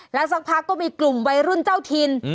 แล้วสักพักก็มีกลุ่มวัยรุ่นเจ้าถิ่น